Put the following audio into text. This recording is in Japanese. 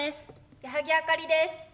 矢作あかりです。